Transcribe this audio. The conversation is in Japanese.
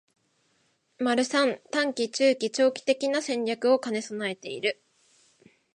③ 短期、中期、長期的な戦略を兼ね備えている